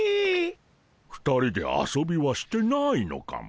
２人で遊びはしてないのかモ。